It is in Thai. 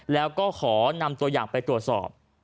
แล้วก็ขอนำตัวอย่างไปตรวจสอบ